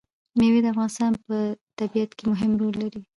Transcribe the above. مېوې د افغانستان په طبیعت کې مهم رول لري.